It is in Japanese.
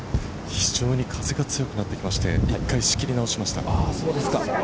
風が強くなってきまして、一回仕切り直しました。